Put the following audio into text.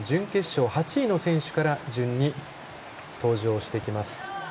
準決勝８位の選手から順に登場してきます。